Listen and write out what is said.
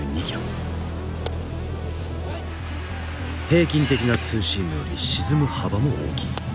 平均的なツーシームより沈む幅も大きい。